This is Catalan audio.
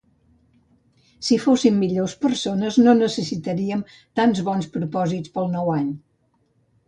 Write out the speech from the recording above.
Si fossim millors persones no necessitaríem tants bons propòsits pel nou any.